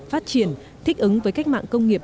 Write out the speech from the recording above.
phát triển thích ứng với cách mạng công nghiệp